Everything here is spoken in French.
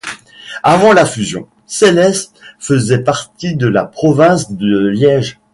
Avant la fusion, Seilles faisait partie de la province de Liège.